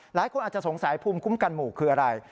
หลายคนอาจจะสงสัยภูมิคุ้มกันหมู่คืออะไร